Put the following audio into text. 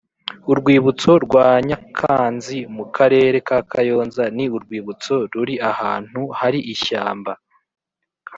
Urwibutso rwa Nyakanzi mu Karere ka Kayonza ni Urwibutso ruri ahantu hari ishyamba